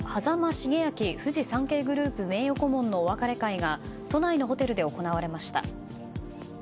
重彰フジサンケイグループ名誉顧問のお別れ会が都内のホテルで行われました。